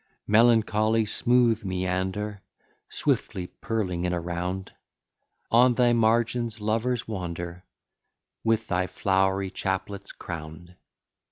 Melancholy smooth Meander, Swiftly purling in a round, On thy margin lovers wander, With thy flowery chaplets crown'd.